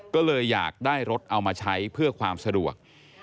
ก็เลยอยากได้รถเอามาใช้เพื่อความสะดวก